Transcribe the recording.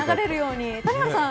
谷原さん